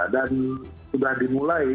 dan sudah dimulai